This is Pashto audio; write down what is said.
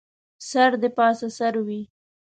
سر دې پاسه سر وي